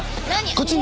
こっちに。